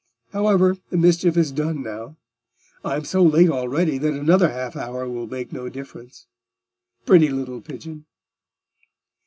However, the mischief is done now: I am so late already that another half hour will make no difference. Pretty little pigeon!"